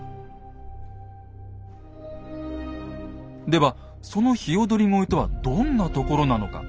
ではその鵯越とはどんなところなのか。